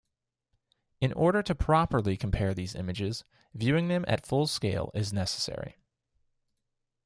In order to properly compare these images, viewing them at full-scale is necessary.